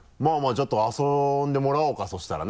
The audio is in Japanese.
ちょっと遊んでもらおうかそしたらね。